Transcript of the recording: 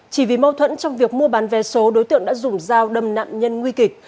chỉ vì mâu thuẫn trong việc mua bán vé số đối tượng đã dùng dao đâm nạn nhân nguy kịch